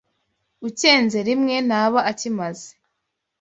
Ucyenze rimwe ntaba akimaze